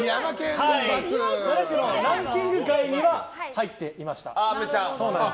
ですけどランキング外には入っていました。